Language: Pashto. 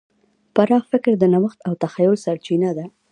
پراخ فکر د نوښت او تخیل سرچینه ده.